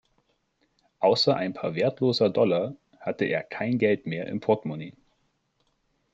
Außer ein paar wertloser Dollar hatte er kein Geld mehr im Portemonnaie.